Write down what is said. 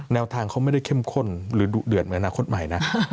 แนวทางเขาไม่ได้เข้มข้นหรือดุเดือดเหมือนอนาคตใหม่นะ